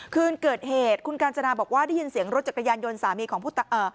คืนเกิดเหตุคุณกาญจนาบอกว่าได้ยินเสียงรถจักรยานยนต์สามีของผู้ตาย